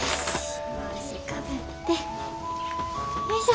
よいしょ。